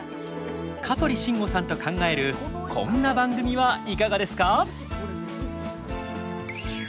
香取慎吾さんと考えるこんな番組はいかがですか？